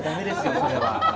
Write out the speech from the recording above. それは。